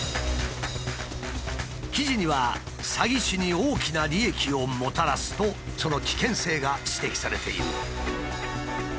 記事には「詐欺師に大きな利益をもたらす」とその危険性が指摘されている。